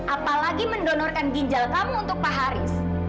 apalagi mendonorkan ginjal kamu untuk pak haris